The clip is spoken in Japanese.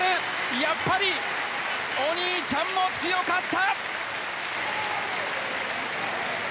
やっぱりお兄ちゃんも強かった！